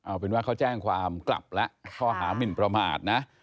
เอาเป็นว่าเขาแจ้งความกลับแล้วข้อหามินประมาทนะ